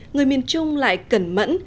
người miền trung lại cẩn mẫn